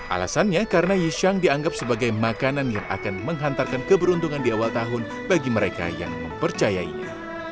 alasannya karena yishang dianggap sebagai makanan yang akan menghantarkan keberuntungan di awal tahun bagi mereka yang mempercayainya